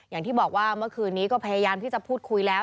อย่างที่บอกว่าเมื่อคืนนี้ก็พยายามที่จะพูดคุยแล้ว